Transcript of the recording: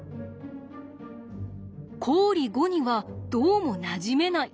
公理５にはどうもなじめない。